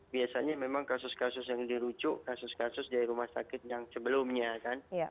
biasanya memang kasus kasus yang dirucuk kasus kasus dari rumah sakit yang sebelumnya kan